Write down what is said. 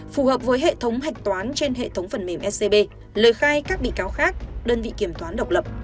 phù hợp với hệ thống hạch toán trên hệ thống phần mềm scb lời khai các bị cáo khác đơn vị kiểm toán độc lập